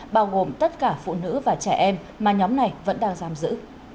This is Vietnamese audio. bao gồm tất cả phụ nữ và trẻ em mà nhóm này vẫn đang giam giữ